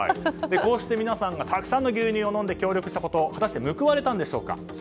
こうして皆さんがたくさんの牛乳を飲んで協力したこと果たして報われたんでしょうか。